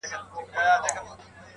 زه چي کور ته ورسمه هغه نه وي_